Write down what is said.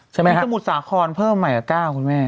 ใช่ไหมครับสมุดสาขรเพิ่มใหม่กับ๙คุณแม่